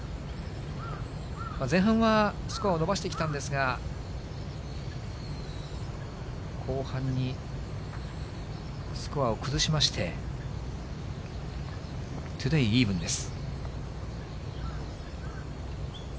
前半はスコアを伸ばしてきたんですが、後半にスコアを崩しまして、トゥデーイーブンです。